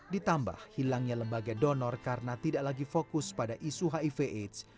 ditambah hilangnya lembaga donor karena tidak lagi fokus pada isu hiv aids